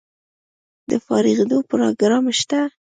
د فارغیدو پروګرام شته؟